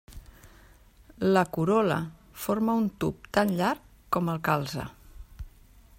La corol·la forma un tub tan llarg com el calze.